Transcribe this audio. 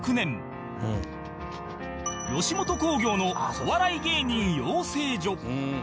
吉本興業のお笑い芸人養成所